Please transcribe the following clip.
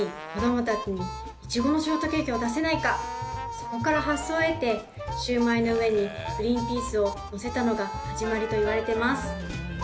そこから発想を得てシュウマイの上にグリーンピースをのせたのが始まりといわれてます。